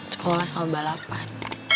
sekolah sama balapan